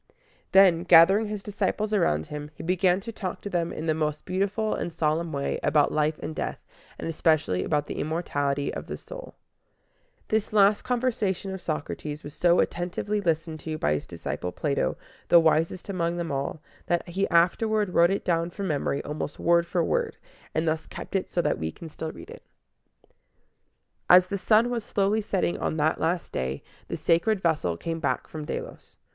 Then, gathering his disciples around him, he began to talk to them in the most beautiful and solemn way about life and death, and especially about the immortality of the soul. This last conversation of Socrates was so attentively listened to by his disciple Plato, the wisest among them all, that he afterward wrote it down from memory almost word for word, and thus kept it so that we can still read it. [Illustration: Socrates' Farewell.] As the sun was slowly setting on that last day, the sacred vessel came back from Delos.